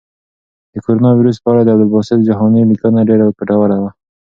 د کرونا وېروس په اړه د عبدالباسط جهاني لیکنه ډېره ګټوره وه.